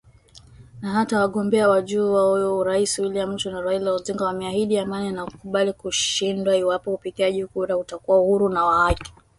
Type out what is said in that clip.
Na hata wagombea wa juu wa urais William Ruto na Raila Odinga wameahidi amani na kukubali kushindwa iwapo upigaji kura utakuwa huru na wa haki